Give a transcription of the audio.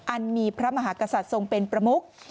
อันมีพระมหากษัตริย์ทรงเป็นประมุก